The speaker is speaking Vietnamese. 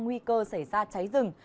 nguy cơ xảy ra cháy rừng